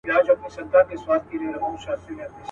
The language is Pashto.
نیل د قهر به یې ډوب کړي تور لښکر د فرعونانو.